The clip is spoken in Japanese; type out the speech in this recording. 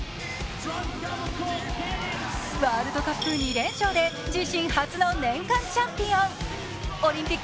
ワールドカップ２連勝で自身初の年間チャンピオン。